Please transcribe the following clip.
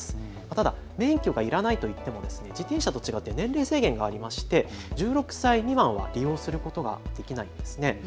ただ免許がいらないといっても自転車と違って年齢制限がありまして１６歳未満は利用することができないんですね。